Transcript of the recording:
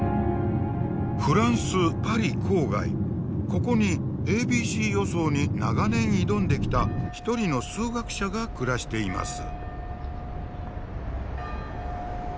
ここにａｂｃ予想に長年挑んできた一人の数学者が暮らしています。